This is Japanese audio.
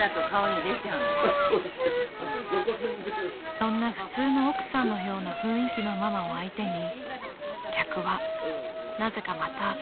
［そんな普通の奥さんのような雰囲気のママを相手に客はなぜかまたラブソングを歌うのです］